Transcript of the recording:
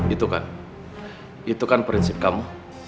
itu kan itu kan prinsip kamu